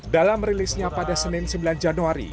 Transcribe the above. dalam rilisnya pada senin sembilan januari